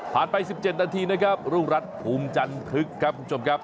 ไป๑๗นาทีนะครับรุ่งรัฐภูมิจันทึกครับคุณผู้ชมครับ